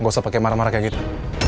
gak usah pakai marah marah kayak gitu